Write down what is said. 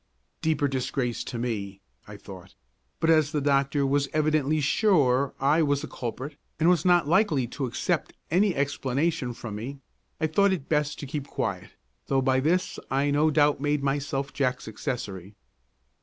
Deeper disgrace to me, I thought; but as the doctor was evidently sure I was the culprit, and was not likely to accept any explanation from me, I thought it best to keep quiet, though by this I no doubt made myself Jack's accessory.